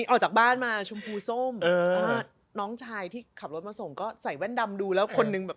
ออกจากบ้านมาชมพูส้มน้องชายที่ขับรถมาส่งก็ใส่แว่นดำดูแล้วคนนึงแบบ